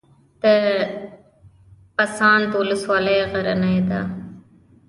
د پسابند ولسوالۍ غرنۍ ده